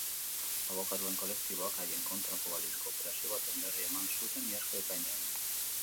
Abokatuen kolektiboak haien kontrako balizko operazio baten berri eman zuten iazko ekainean.